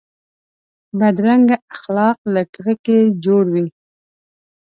بدرنګه اخلاق له کرکې جوړ وي